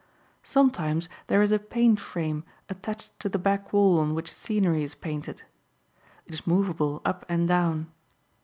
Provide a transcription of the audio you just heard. Sometimes there is a "paint frame" attached to the back wall on which scenery is painted. It is movable up and down.